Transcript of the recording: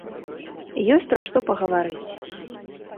Ёсць пра што пагаварыць!